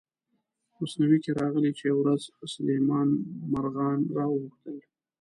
مثنوي کې راغلي چې یوه ورځ سلیمان مارغان را وغوښتل.